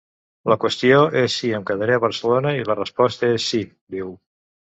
La qüestió és si em quedaré a Barcelona, i la resposta és sí, diu.